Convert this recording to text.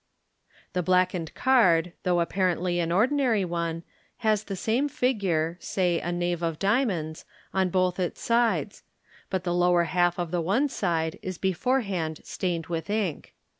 The blackened card, though apparently an ordinary one, has the same figure, say a knave of diamonds, on both its sides ; but the lower half of the one side is beforehand stained with ink.